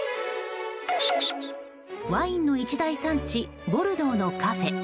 ワインの一大産地ボルドーのカフェ。